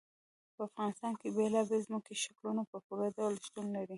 په افغانستان کې بېلابېل ځمکني شکلونه په پوره ډول شتون لري.